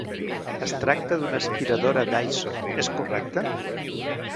Es tracta d'una aspiradora Dyson, és correcte?